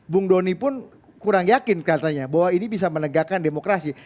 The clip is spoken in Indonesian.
bung doni pun kurang yakin katanya bahwa ini bisa menegakkan demokrasi